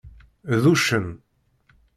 D uccen.